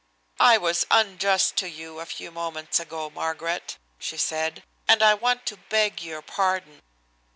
"I was unjust to you a few moments ago, Margaret," she said, "and I want to beg your pardon."